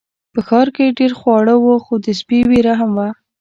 په ښار کې ډیر خواړه وو خو د سپي ویره هم وه.